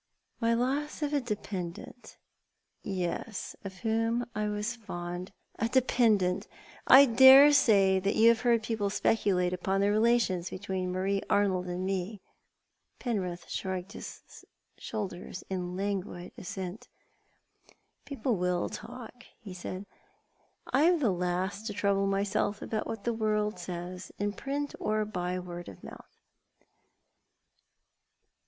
" My loss of a dependent — yes — of whom I was fond. A dependent! I dare say you have heard people speculate upon the relations between Marie Ai nold and me." Penrith shrugged his shoulders in languid assent. "People will talk," he said. "I am the last to trouble myself about what the world says, in print, or by word of mouth."